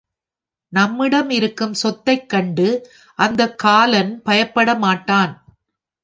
நம்மிடம் இருக்கும் சொத்தைக் கண்டு அந்தக் காலன் பயப்படமாட்டான்.